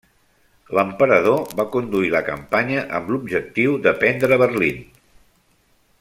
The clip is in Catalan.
L'Emperador va conduir la campanya amb l'objectiu de prendre Berlín.